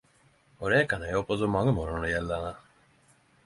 Og det kan eg gjera på så mange måtar når det gjeld denne.